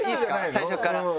最初から。